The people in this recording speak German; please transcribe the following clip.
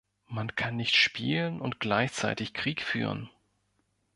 Man kann nicht spielen und gleichzeitig Krieg führen.